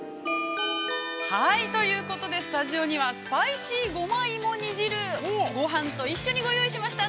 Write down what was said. ◆ということで、スタジオには、スパイシーごま芋煮汁、ごはんと一緒にご用意しました。